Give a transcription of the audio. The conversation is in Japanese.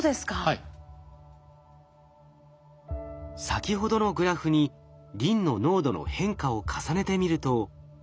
先ほどのグラフにリンの濃度の変化を重ねてみると。